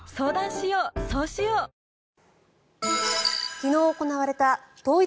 昨日行われた統一